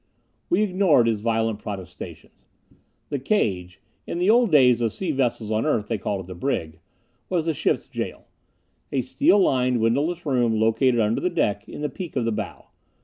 We ignored his violent protestations. The cage in the old days of sea vessels on Earth, they called it the brig was the ship's jail. A steel lined, windowless room located under the deck in the peak of the bow.